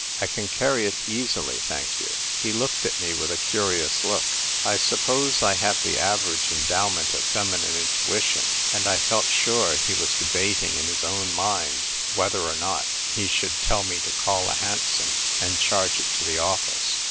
" I can carry it easily, thank you." He looked at me with a curious look. I suppose I have the average endowment of feminine intuition ; and I felt sure he was debating in his own mind whether or not he should tell me to call a hansom and charge it to the office.